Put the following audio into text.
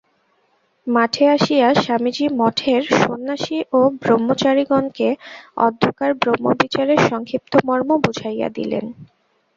মঠে আসিয়া স্বামীজী মঠের সন্ন্যাসী ও ব্রহ্মচারিগণকে অদ্যকার ব্রহ্মবিচারের সংক্ষিপ্ত মর্ম বুঝাইয়া দিলেন।